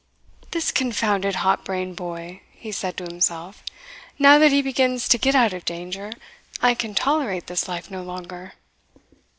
"This confounded hot brained boy!" he said to himself; "now that he begins to get out of danger, I can tolerate this life no longer.